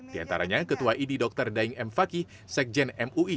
di antaranya ketua idi dr daeng m fakih sekjen mui